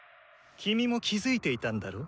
キミも気付いていたんだろ？